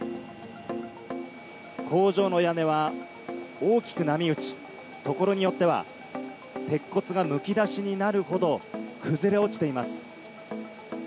工場の屋根は大きく波打ち、所によっては、鉄骨がむき出しになるほど、崩れ落ちています。